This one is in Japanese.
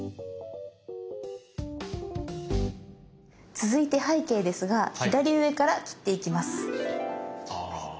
続いて背景ですが左上から切っていきます。